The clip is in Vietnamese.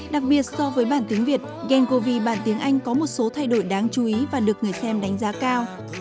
đặc biệt so với bản tiếng việt gen covi bản tiếng anh có một số thay đổi đáng chú ý và được người xem đánh giá cao